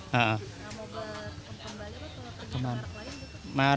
mau beli pembeli atau punya merek lain